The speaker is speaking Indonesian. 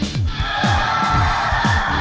buat jangan lagi